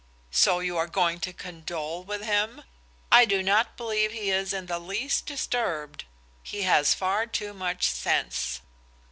"So you are going to condole with him? I do not believe he is in the least disturbed. He has far too much sense."